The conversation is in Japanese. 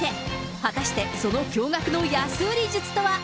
果たしてその驚がくの安売り術とは。